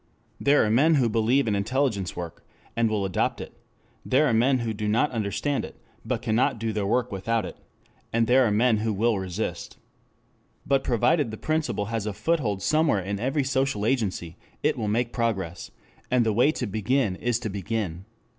There are men who believe in intelligence work, and will adopt it; there are men who do not understand it, but cannot do their work without it; there are men who will resist. But provided the principle has a foothold somewhere in every social agency it will make progress, and the way to begin is to begin.